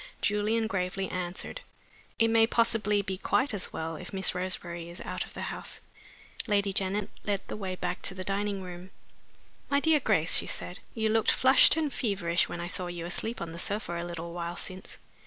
Julian gravely answered: "It may possibly be quite as well if Miss Roseberry is out of the house." Lady Janet led the way back to the dining room. "My dear Grace," she said, "you looked flushed and feverish when I saw you asleep on the sofa a little while since.